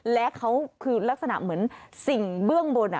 และเขาคือลักษณะเหมือนสิ่งเบื้องบน